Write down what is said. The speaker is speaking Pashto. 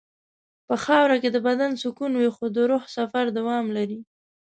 په خاوره کې د بدن سکون وي خو د روح سفر دوام لري.